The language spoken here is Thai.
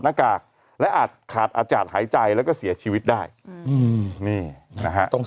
หน้ากากและอาจขาดอาจอาจหายใจแล้วก็เสียชีวิตได้ต้อง